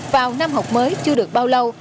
vào năm học mới chưa được bao lâu